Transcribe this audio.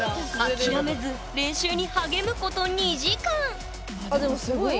諦めず練習に励むこと２時間あでもすごい。